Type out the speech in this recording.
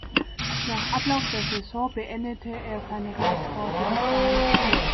Nach Ablauf der Saison beendete er seine Radsportlaufbahn.